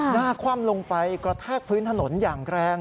คว่ำลงไปกระแทกพื้นถนนอย่างแรง